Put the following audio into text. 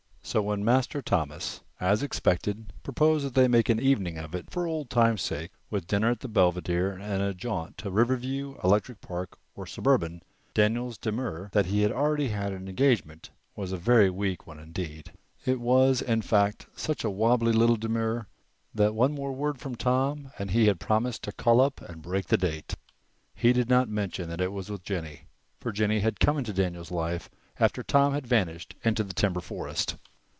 So that when Master Thomas, as expected, proposed that they make an evening of it, for old times' sake, with dinner at the Belvedere and a jaunt later to River View, Electric Park or the Suburban, Daniel's demur that he already had an engagement was a very weak one indeed. It was, in fact, such a wobbly little demur that one more word from Tom and he had promised to call up and break the date. He did not mention that it was with Jennie, for Jennie had come into Daniel's life after Tom had vanished into the timber forest.